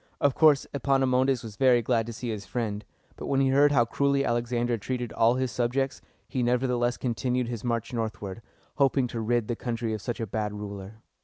Of course, Epaminondas was very glad to see his friend; but when he heard how cruelly Alexander treated all his subjects, he nevertheless continued his march northward, hoping to rid the country of such a bad ruler.